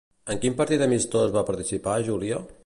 En quin partit amistós va participar Júlia?